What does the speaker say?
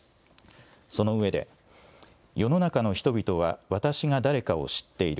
その上で、世の中の人々は私が誰かを知っている。